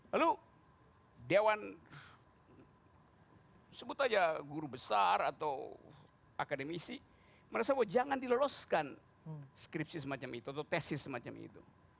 lalu dewan sebut aja guru besar atau akademisi merasa bahwa jangan diloloskan skripsi semacam itu atau tesis semacam itu